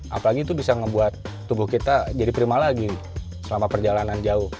apalagi itu bisa ngebuat tubuh kita jadi prima lagi selama perjalanan jauh